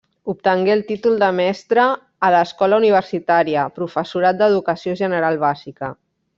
Obtengué el títol de mestre a l'Escola Universitària, Professorat d'Educació General Bàsica.